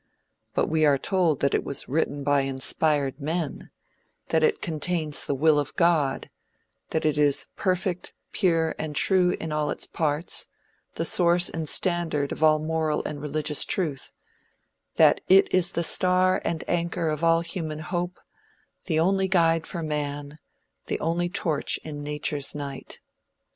But we are told that it was written by inspired men; that it contains the will of God; that it is perfect, pure, and true in all its parts; the source and standard of all moral and religious truth; that it is the star and anchor of all human hope; the only guide for man, the only torch in Nature's night.